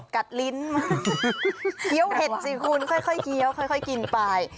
ลิ้นมาเคี้ยวเห็ดสิคุณค่อยเคี้ยวค่อยกินไป